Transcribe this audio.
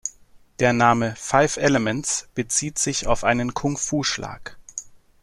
Der Name "Five Elements" bezieht sich auf einen Kung-Fu-Schlag.